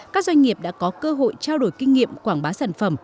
các doanh nghiệp đã có cơ hội trao đổi kinh nghiệm quảng bá sản phẩm